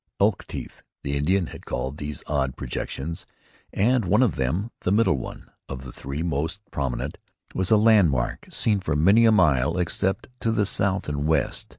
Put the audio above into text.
"Elk teeth" the Indians had called these odd projections, and one of them, the middle one of the three most prominent, was a landmark seen for many a mile except to the south and west.